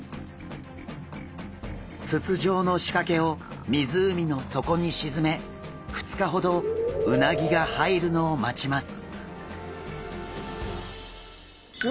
筒状の仕掛けを湖の底に沈め２日ほどうなぎが入るのを待ちます。